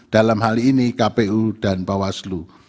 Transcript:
dalam hal ini kpu dan bawaslu